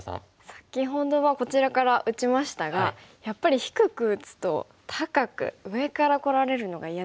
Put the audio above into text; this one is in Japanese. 先ほどはこちらから打ちましたがやっぱ低く打つと高く上からこられるのが嫌ですよね。